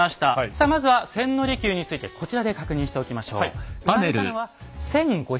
さあまずは千利休についてこちらで確認しておきましょう。